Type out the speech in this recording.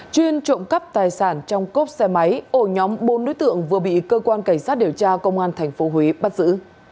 chuyên trộm cắp tài sản trong cốp xe máy ổ nhóm bốn đối tượng vừa bị cơ quan cảnh sát điều tra công an tp huế bắt giữ